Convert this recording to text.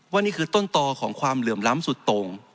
นี่คือต้นต่อของความเหลื่อมล้ำสุดตรง